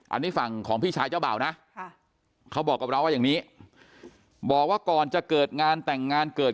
อันนี้ฝั่งของพี่ชายเจ้าเบ่านะเขาบอกกับเราว่าอย่างนี้